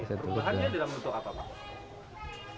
perubahannya dalam bentuk apa pak